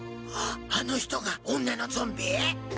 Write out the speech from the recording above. あの人が女のゾンビ？